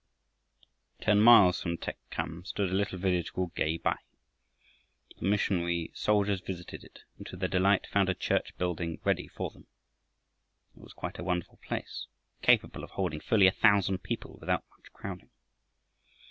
Ten miles from Tek chham stood a little village called Geh bai. The missionary soldiers visited it, and to their delight found a church building ready for them. It was quite a wonderful place, capable of holding fully a thousand people without much crowding.